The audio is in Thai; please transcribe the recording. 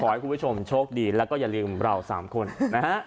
ให้คุณผู้ชมโชคดีแล้วก็อย่าลืมเราสามคนนะฮะ